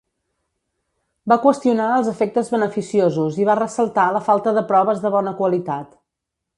Va qüestionar els efectes beneficiosos i va ressaltar la falta de proves de bona qualitat.